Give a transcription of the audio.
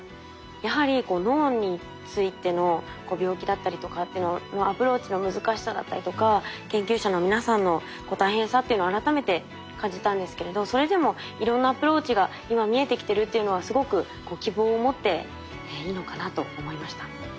やはりこう脳についての病気だったりとかっていうののアプローチの難しさだったりとか研究者の皆さんの大変さっていうのを改めて感じたんですけれどそれでもいろんなアプローチが今見えてきてるっていうのはすごく希望を持っていいのかなと思いました。